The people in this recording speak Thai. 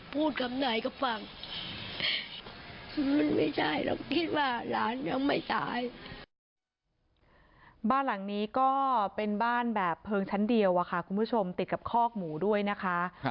บ้านหลังนี้ก็เป็นบ้านแบบเพลิงชั้นเดียวอะค่ะคุณผู้ชมติดกับคอกหมูด้วยนะคะ